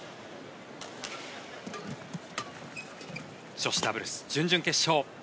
女子ダブルス準々決勝。